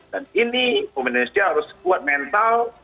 dan ini pemenang indonesia harus kuat mental